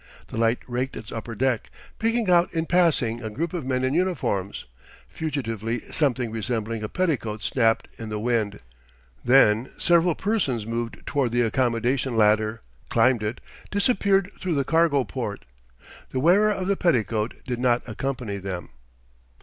The light raked its upper deck, picking out in passing a group of men in uniforms. Fugitively something resembling a petticoat snapped in the wind. Then several persons moved toward the accommodation ladder, climbed it, disappeared through the cargo port. The wearer of the petticoat did not accompany them.